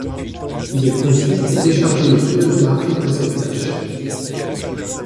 Il est conçu pour décharger les pilotes graphiques de cette tâche.